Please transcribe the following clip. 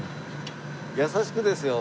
優しくですよ。